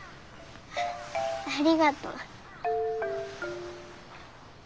ありがと。